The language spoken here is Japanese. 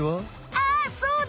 ああそうだ！